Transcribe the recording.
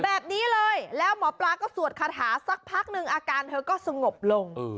แบบนี้เลยแล้วหมอปลาก็สวดคาถาสักพักหนึ่งอาการเธอก็สงบลง